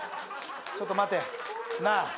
ちょっと待て。なあ。